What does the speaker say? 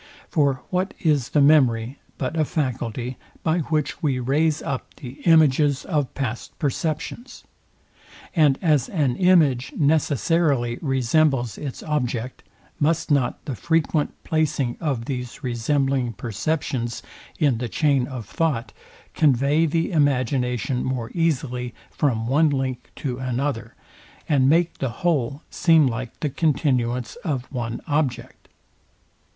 For what is the memory but a faculty, by which we raise up the images of past perceptions? And as an image necessarily resembles its object, must not. The frequent placing of these resembling perceptions in the chain of thought, convey the imagination more easily from one link to another, and make the whole seem like the continuance of one object?